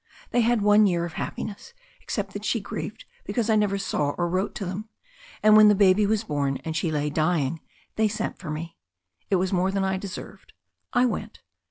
They had one year of happiness, except that she grieved because I never saw or wrote to them, and when the baby was born and she lay dying they sent for me. It was more than I deserved. I went.